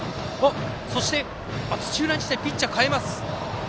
そして、土浦日大ピッチャーを代えます。